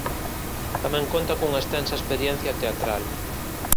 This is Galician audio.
Tamén conta cunha extensa experiencia teatral.